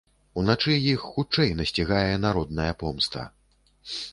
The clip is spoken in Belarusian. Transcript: Уначы іх хутчэй насцігае народная помста.